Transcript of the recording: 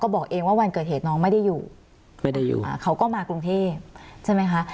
บอกเองว่าวันเกิดเหตุน้องไม่ได้อยู่ไม่ได้อยู่อ่าเขาก็มากรุงเทพใช่ไหมคะ